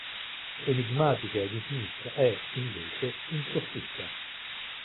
Enigmatica ed intimista è, invece, "In soffitta".